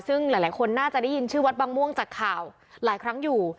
ซึ่งหลายคนน่าจะได้ยินชื่อวัดบางม่วงจากข่าวหลายครั้งอยู่